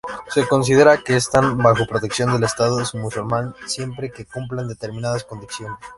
Se considera que están bajo protección del Estado musulmán, siempre que cumplan determinadas condiciones.